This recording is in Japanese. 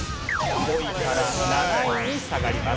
５位から７位に下がります。